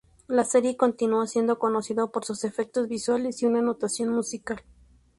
La serie continuó siendo conocido por sus efectos visuales y una anotación musical.